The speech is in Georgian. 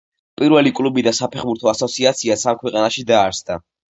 პირველი კლუბი და საფეხბურთო ასოციაციაც ამ ქვეყანაში დაარსდა